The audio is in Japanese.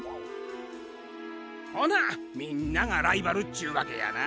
ほなみんながライバルっちゅうわけやな。